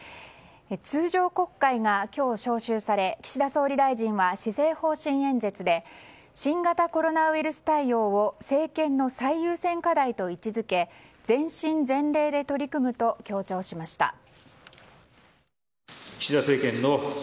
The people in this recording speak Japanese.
通常国会が今日召集され岸田総理大臣は施政方針演説で新型コロナウイルス対応を政権の最優先課題と位置づけ全身全霊で取り組むと強調しました。